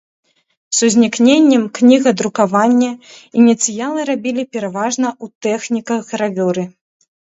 З узнікненнем кнігадрукавання ініцыялы рабілі пераважна ў тэхніках гравюры.